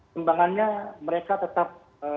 kembangannya mereka tetap